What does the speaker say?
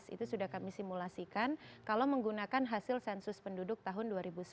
itu sudah kami simulasikan kalau menggunakan hasil sensus penduduk tahun dua ribu sembilan belas